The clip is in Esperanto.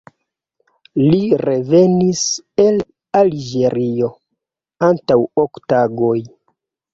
Li revenis el Alĝerio antaŭ ok tagoj.